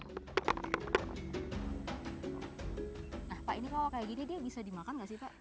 nah pak ini kalau kayak gini dia bisa dimakan nggak sih pak